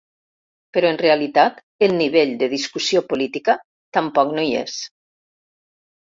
Però en realitat el nivell de discussió política tampoc no hi és.